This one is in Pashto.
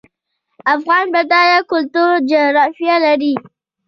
افغانستان بډایه کلتوري جغرافیه لري